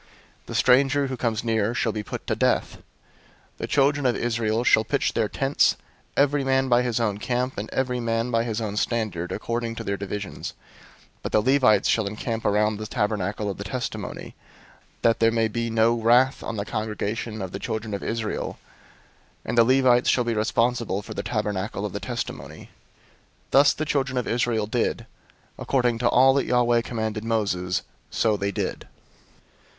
The stranger who comes near shall be put to death. 001:052 The children of Israel shall pitch their tents, every man by his own camp, and every man by his own standard, according to their divisions. 001:053 But the Levites shall encamp around the Tabernacle of the Testimony, that there may be no wrath on the congregation of the children of Israel: and the Levites shall be responsible for the Tabernacle of the Testimony." 001:054 Thus the children of Israel did. According to all that Yahweh commanded Moses, so they did.